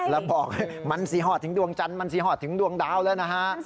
แล้วบอกมันสีหอดถึงดวงจันทร์มันสีหอดถึงดวงดาวแล้วนะฮะ